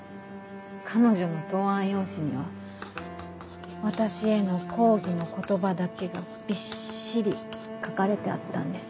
彼女の答案用紙には私への抗議の言葉だけがびっしり書かれてあったんです。